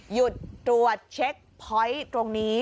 หยุดตรวจเช็คพอยต์ตรงนี้